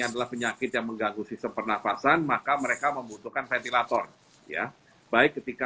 adalah penyakit yang mengganggu sistem pernafasan maka mereka membutuhkan ventilator ya baik ketika